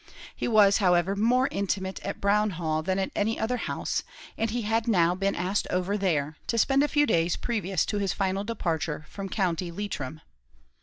He was, however, more intimate at Brown Hall than at any other house; and he had now been asked over there, to spend the few days previous to his final departure from County Leitrim.